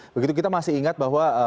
begitu kita masih ingat bahwa